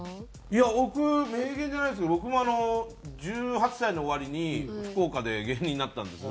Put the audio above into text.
いや僕名言じゃないですけど僕も１８歳の終わりに福岡で芸人になったんです。